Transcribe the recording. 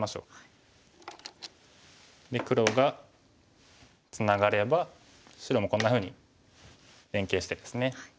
で黒がツナがれば白もこんなふうに連係してですね。